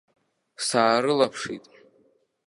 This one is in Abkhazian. Саарылаԥшит.